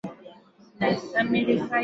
Hasara zinazotokana na michezo ya watoto